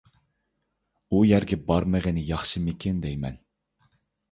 ئۇ يەرگە بارمىغىنى ياخشىمىكىن دەيمەن.